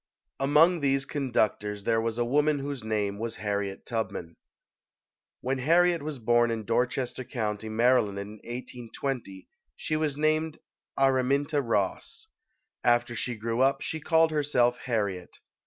Among these conductors there was a woman whose name was Harriet Tubman. When Harriet was born in Dorchester County, Maryland, in 1820, she was named Araminta Ross. After she grew up, she called herself Har riet.